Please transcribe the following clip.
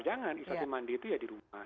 jangan istilah mandiri itu ya di rumah